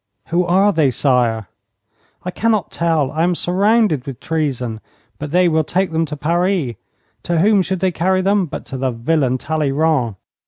'Who are they, sire?' 'I cannot tell. I am surrounded with treason. But they will take them to Paris. To whom should they carry them but to the villain Talleyrand?